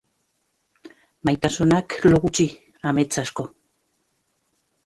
Maitasunak lo gutxi, amets asko.